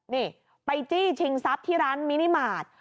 นี่ไปจี้ชิงทรัพย์ที่ร้านมินิมาตร